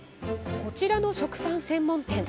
こちらの食パン専門店。